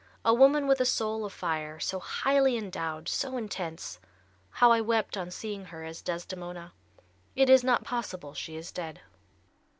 A woman with a soul of fire, so highly endowed, so intense. How I wept on seeing her as Desdemona! It is not possible she is dead."